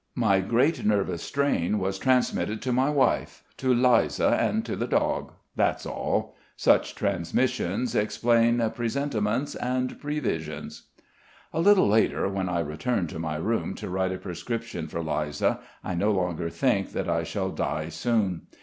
My great nervous strain was transmitted to my wife, to Liza, and to the dog. That's all. Such transmissions explain presentiments and previsions." A little later when I return to my room to write a prescription for Liza I no longer think that I shall die soon.